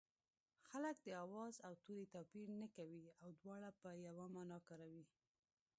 خلک د آواز او توري توپیر نه کوي او دواړه په یوه مانا کاروي